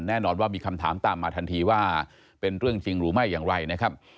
แน่นอนว่ามีคำถามตามมาทันทีว่าเป็นเรื่องจริงหรือไม่อย่างไรนะครับ